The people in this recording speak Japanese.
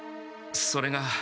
それが。